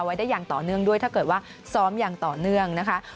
ไว้ได้อย่างต่อเนื่องด้วยถ้าเกิดว่าซ้อมอย่างต่อเนื่องนะคะ